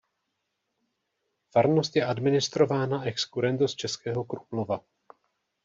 Farnost je administrována ex currendo z Českého Krumlova.